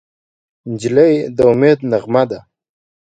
نجلۍ د امید نغمه ده.